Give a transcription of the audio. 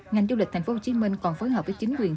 ngành du lịch tp hcm còn phối hợp với chính quyền